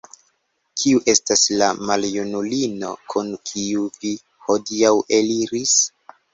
Kiu estas la maljunulino, kun kiu vi hodiaŭ eliris?